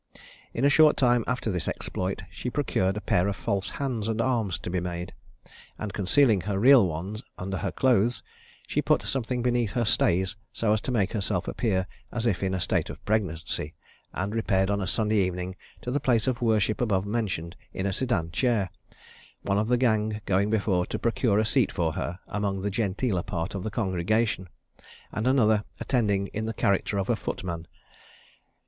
In a short time after this exploit she procured a pair of false hands and arms to be made, and concealing her real ones under her clothes, she put something beneath her stays so as to make herself appear as if in a state of pregnancy, and repaired on a Sunday evening to the place of worship above mentioned in a sedan chair, one of the gang going before to procure a seat for her among the genteeler part of the congregation, and another attending in the character of a footman.